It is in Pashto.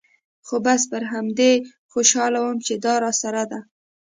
خو بس پر همدې خوشاله وم چې دا راسره ده.